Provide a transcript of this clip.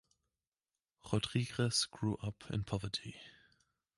Rodrigues grew up in poverty.